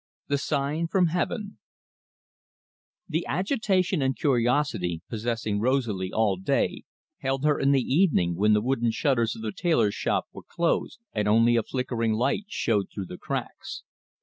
THE SIGN FROM HEAVEN The agitation and curiosity possessing Rosalie all day held her in the evening when the wooden shutters of the tailor's shop were closed and only a flickering light showed through the cracks.